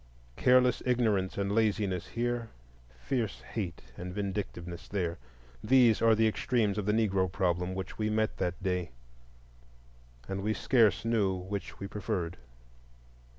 Careless ignorance and laziness here, fierce hate and vindictiveness there;—these are the extremes of the Negro problem which we met that day, and we scarce knew which we preferred.